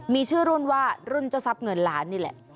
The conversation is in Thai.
มีชื่อรุ่นว่ารุ่นเจ้าทรัพย์เงินล้านนี่แหละ